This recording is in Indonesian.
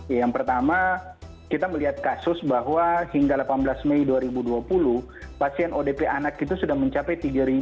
ya yang pertama kita melihat kasus bahwa hingga delapan belas mei dua ribu dua puluh pasien odp anak itu sudah mencapai tiga ratus